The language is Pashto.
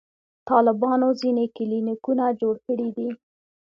طالبانو ځینې کلینیکونه جوړ کړي دي.